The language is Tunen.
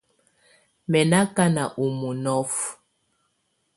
Mɛ nɔ akana ɔ mɔnɔfɔ.